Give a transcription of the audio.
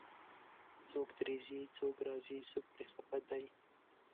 څوک ترې ځي، څوک راځي، څوک پرې خفه دی